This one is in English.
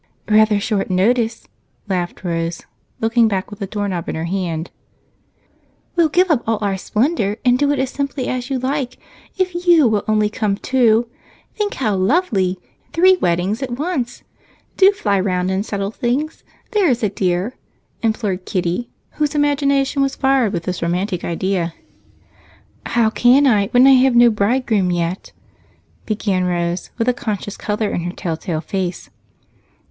"Rather short notice," laughed Rose, looking back with the doorknob in her hand. "We'll give up all our splendor, and do it as simply as you like, if you will only come too. Think how lovely! Three weddings at once! Do fly round and settle things there's a dear," implored Kitty, whose imagination was fired with this romantic idea. "How can I, when I have no bridegroom yet?" began Rose, with conscious color in her telltale face.